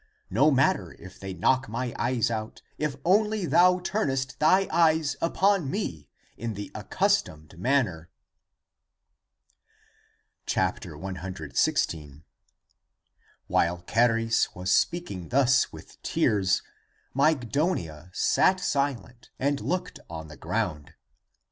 No matter if they knock my eyes out, if only thou turnest thy eyes upon me in the accustomed manner !" 116. While Charis was sepaking thus with tears, Mygdonia sat silent and looked on the ground.